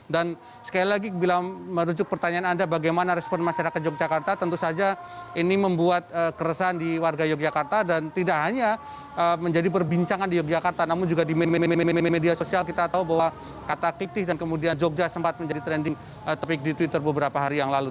dan sekali lagi bila merujuk pertanyaan anda bagaimana respon masyarakat yogyakarta tentu saja ini membuat keresahan di warga yogyakarta dan tidak hanya menjadi perbincangan di yogyakarta namun juga di media sosial kita tahu bahwa kata kritik dan kemudian jogja sempat menjadi trending topic di twitter beberapa hari yang lalu